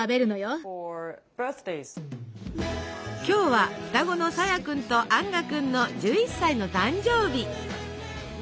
今日は双子のサヤ君とアンガ君の１１歳の誕生日！